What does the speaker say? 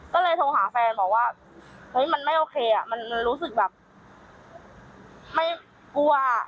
ก็เลยโทรหาแฟนบอกว่าเฮ้ยมันไม่โอเคอ่ะมันรู้สึกแบบไม่กลัว